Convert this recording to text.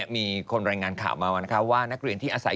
มีคนรายงานข่าวมาว่านักเรียนที่อาศัย